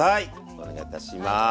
お願いいたします。